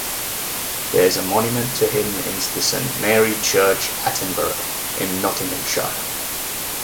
There is a monument to him in Saint Mary's Church, Attenborough in Nottinghamshire.